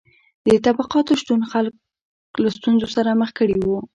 د طبقاتو شتون خلک له ستونزو سره مخ کړي وو.